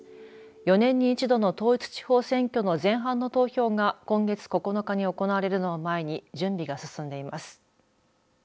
４年に一度の統一地方選挙の前半の投票が今月９日に行われるのを前に準備が進んでいます。